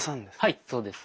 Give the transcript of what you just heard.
はいそうです。